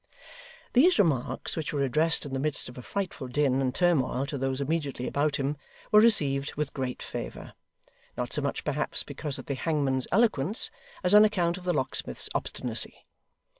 These remarks, which were addressed in the midst of a frightful din and turmoil to those immediately about him, were received with great favour; not so much, perhaps, because of the hangman's eloquence, as on account of the locksmith's obstinacy.